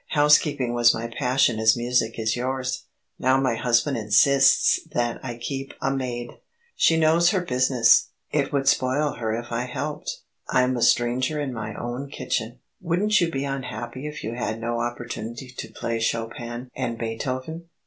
Housekeeping was my passion as music is yours. Now my husband insists that I shall keep a maid. She knows her business. It would spoil her if I helped. I am a stranger in my own kitchen. Wouldn't you be unhappy if you had no opportunity to play Chopin and Beethoven?